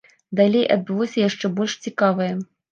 Далей адбылося яшчэ больш цікавае.